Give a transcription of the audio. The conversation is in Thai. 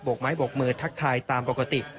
กไม้โบกมือทักทายตามปกติ